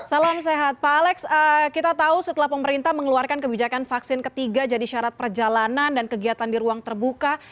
salam sehat pak alex kita tahu setelah pemerintah mengeluarkan kebijakan vaksin ketiga jadi syarat perjalanan dan kegiatan di ruang terbuka